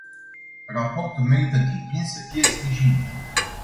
Raportul merită din plin să fie sprijinit.